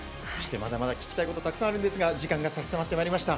まだまだ聞きたいことたくさんあるんですが時間が差し迫ってきました。